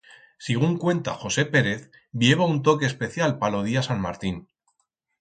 Sigunt cuenta José Pérez, bi heba un toque especial pa lo día Sant Martín.